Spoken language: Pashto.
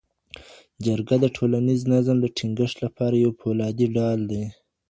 . جرګه د ټولنیز نظم د ټینګښت لپاره یو فولادي ډال دی